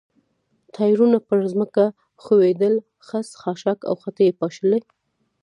ټایرونه پر ځمکه ښویېدل، خس، خاشاک او خټې یې پاشلې.